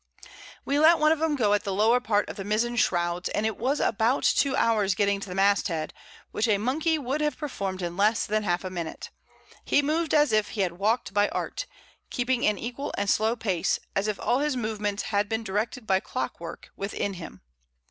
We let one of 'em go at the lower part of the Mizon Shrowds, and it was about 2 Hours getting to the Mast Head, which a Monkey would have performed in less than half a Minute; he mov'd as if he had walk'd by Art, keeping an equal and slow Pace, as if all his Movements had been directed by Clock work, within him.